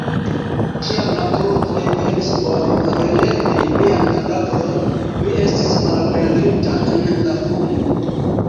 Kiam la Turkoj venis por relevi mian kadavron, mi estis malaperinta en la fumo.